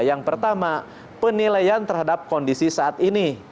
yang pertama penilaian terhadap kondisi saat ini